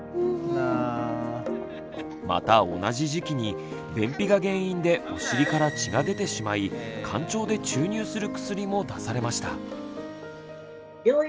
また同じ時期に便秘が原因でお尻から血が出てしまいかん腸で注入する薬も出されました。